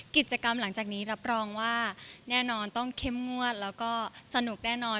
กิจกรรมหลังจากนี้รับรองว่าแน่นอนต้องเข้มงวดแล้วก็สนุกแน่นอน